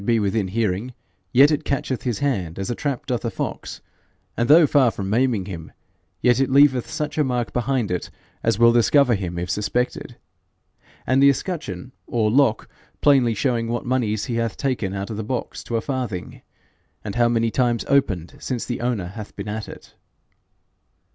be within hearing, yet it catcheth his hand, as a trap doth a fox; and though far from maiming him, yet it leaveth such a mark behind it, as will discover him if suspected; the escutcheon or lock plainly showing what moneys he hath taken out of the box to a farthing, and how many times opened since the owner hath been at it.'